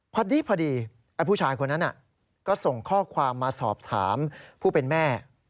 พอดีไอ้ผู้ชายคนนั้นก็ส่งข้อความมาสอบถามผู้เป็นแม่